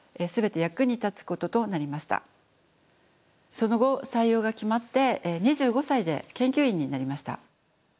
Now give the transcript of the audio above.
その後採用が決まって２５歳で研究員になりました。